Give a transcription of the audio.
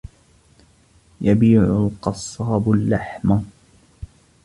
يَبِيعُ الْقَصّابُ اللَّحْمَ.